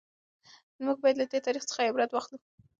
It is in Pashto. موږ باید له تېر تاریخ څخه عبرت واخلو.